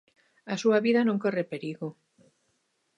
A súa vida non corre perigo.